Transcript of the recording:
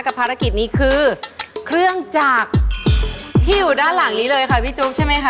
ภารกิจนี้คือเครื่องจักรที่อยู่ด้านหลังนี้เลยค่ะพี่จุ๊บใช่ไหมคะ